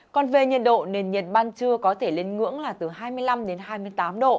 còn về nhiệt độ nền nhiệt ban trưa có thể lên ngưỡng là từ hai mươi năm đến hai mươi tám độ